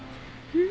うん？